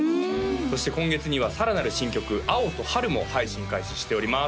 そして今月にはさらなる新曲「アオトハル」も配信開始しております